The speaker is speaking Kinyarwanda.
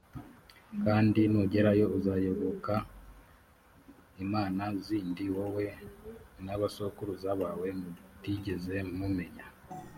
kandi nugerayo, uzayoboka imana zindi wowe n’abasokuruza bawe mutigeze mumenya: